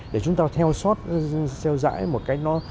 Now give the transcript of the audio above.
để chúng ta theo dõi